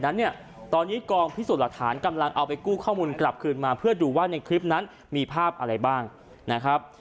นั้นเนี่ยตอนนี้กองพิสูจน์หลักฐานกำลังเอาไปกู้ข้อมูลกลับคืนมาเพื่อดูว่าในคลิปนั้นมีภาพอะไรบ้างนะครับ